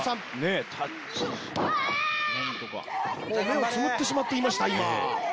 目をつむってしまっていました今。